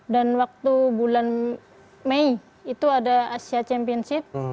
dan waktu bulan mei itu ada asia championship